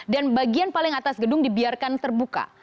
dan bagian paling atas gedung dibiarkan terbuka